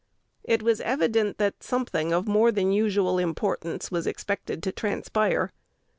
It was evident that something of more than usual importance was expected to transpire.